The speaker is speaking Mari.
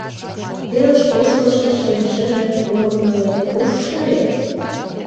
Телыш ошкылшо шем шыже, Поро кумылет куш шыле?